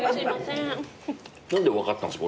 何で分かったんですか？